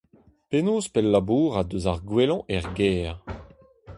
Penaos pellabourat eus ar gwellañ er gêr ?